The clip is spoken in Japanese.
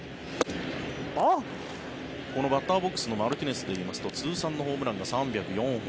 このバッターボックスのマルティネスといいますと通算のホームランが３０４本。